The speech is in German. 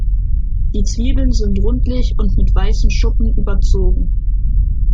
Die Zwiebeln sind rundlich und mit weißen Schuppen überzogen.